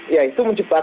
ya itu menciptakan